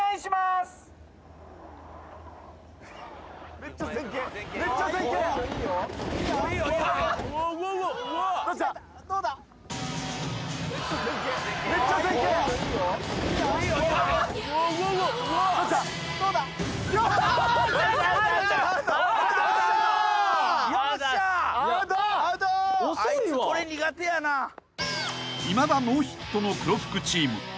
［いまだノーヒットの黒服チーム］